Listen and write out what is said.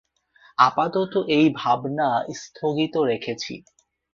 আপাতত এই ভাবনা স্থগিত রেখেছি।